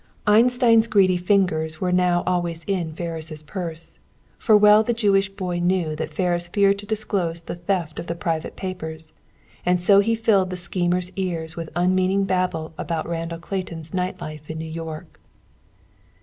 Einstein's greedy fingers were now always in Ferris' purse, for well the Jewish boy knew that Ferris feared to disclose the theft of the private papers. And so he filled the schemer's ears with unmeaning babble about Randall Clayton's night life in New York.